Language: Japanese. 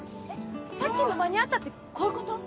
さっきの「間に合った」ってこういうこと？